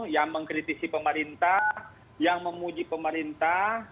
yang mengkritisi pemerintah yang memuji pemerintah